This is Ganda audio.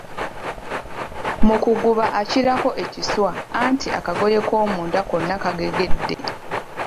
Mu kuguba akirako ekiswa anti akagoye ak'omunda konna kagegedde.